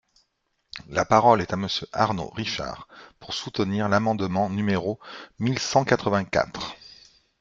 La parole est à Monsieur Arnaud Richard, pour soutenir l’amendement numéro mille cent quatre-vingt-quatre.